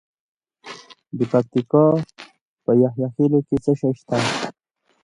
د پکتیکا په یحیی خیل کې څه شی شته؟